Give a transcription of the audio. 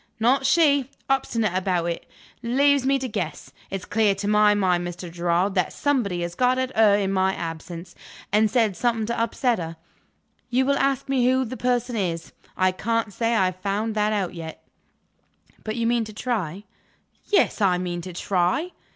"Not she! Obstinate about it. Leaves me to guess. It's clear to my mind, Mr. Gerard, that somebody has got at her in my absence, and said something to upset her. You will ask me who the person is. I can't say I have found that out yet." "But you mean to try?" "Yes; I mean to try."